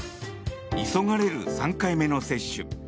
急がれる３回目の接種。